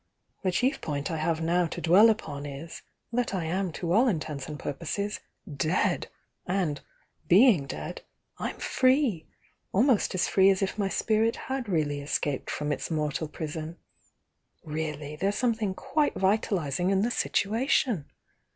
The chief point I have now to dwell upon is, that I am to all interns and purposes Dead! and, being dead, I'm free! — al most as free as if my spirit had really escaped from its mortal prison. Really, there's something quite vitalising in the situation